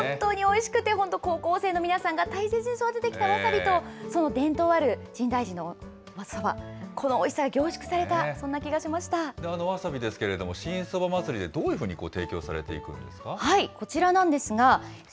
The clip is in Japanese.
でも本当においしくて、本当、高校生の皆さんが大切に育ててきたわさびと、その伝統ある深大寺のおそば、このおいしさが凝縮さあのわさびですけれども、新そば祭りで、どういうふうに提供されていくんですか。